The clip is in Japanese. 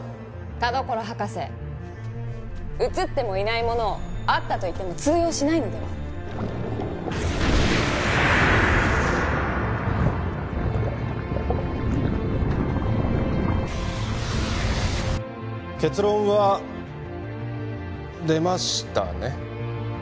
田所博士写ってもいないものをあったといっても通用しないのでは結論は出ましたね